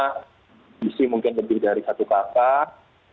kondisi mungkin lebih dari satu kakak